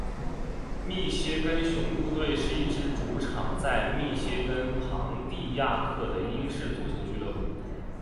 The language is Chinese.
密歇根雄鹿队是一支主场在密歇根庞蒂亚克的英式足球俱乐部。